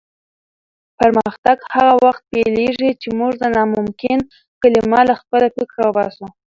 پرمختګ هغه وخت پیلېږي چې موږ د ناممکن کلمه له خپل فکره وباسو.